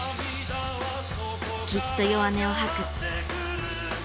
きっと弱音をはく。